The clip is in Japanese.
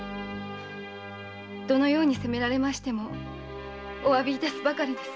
どのように責められましてもお詫び致すばかりです。